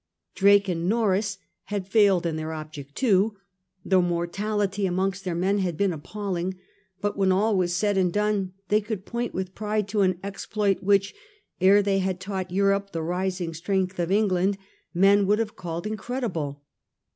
Drake and Norreys had failed in their object too : the mortality amongst their men had been appalling ; but when all was said and done they could point with pride to an exploit which, ere they had taught Europe the rising strength of England, men would have called incredible.